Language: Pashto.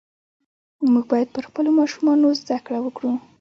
موږ باید پر خپلو ماشومانو زده کړه وکړو .